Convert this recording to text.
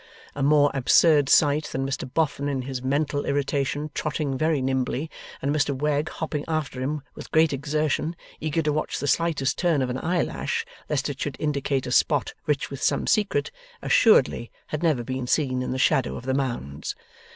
A more absurd sight than Mr Boffin in his mental irritation trotting very nimbly, and Mr Wegg hopping after him with great exertion, eager to watch the slightest turn of an eyelash, lest it should indicate a spot rich with some secret, assuredly had never been seen in the shadow of the Mounds.